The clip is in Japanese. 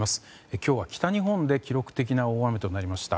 今日は北日本で記録的な大雨となりました。